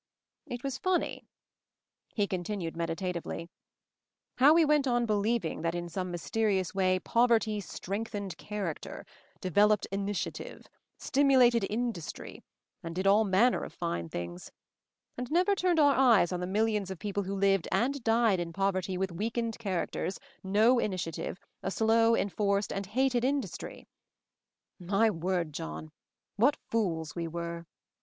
"It was funny," he continued medita tively, "how we went on believing that in some mysterious way poverty 'strengthened character/ 'developed initiative/ 'stimulated industry/ and did all manner of fine things; and never turned our eyes on the millions of people who lived and died in poverty with weakened characters, no initiative, a slow, enforced and hated industry. My word, John, what fools we were!"